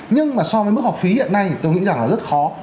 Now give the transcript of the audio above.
nhưng mà so với mức học phí hiện nay thì tôi nghĩ rằng là rất khó